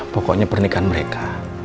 pokoknya pernikahan mereka